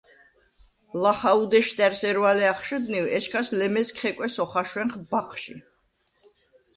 ლახა უდეშდა̈რს ერვალე ახშჷდნივ, ეჩქას ლემესგ ხეკვეს ოხაშვენს ბაჴჟი.